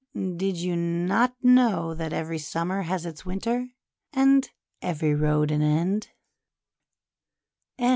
'Did you not know that every Summer has its Winter, and every road an end?"